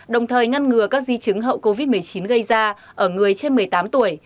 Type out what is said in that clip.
đồng thời ngăn ngừa các di chứng hậu covid một mươi chín gây ra ở người trên một mươi tám tuổi